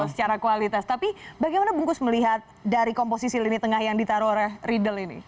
secara kualitas tapi bagaimana bungkus melihat dari komposisi lini tengah yang ditaruh oleh riedel ini